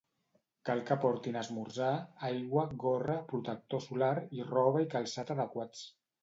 Cal que portin esmorzar, aigua, gorra, protector solar i roba i calçat adequats.